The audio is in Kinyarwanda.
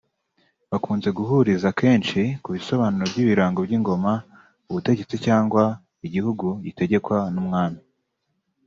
Bakunze guhuriza kenshi ku bisobanuro by’ibirango by’ingoma (Ubutegetsi cyangwa igihugu gitegetkwa n’umwami)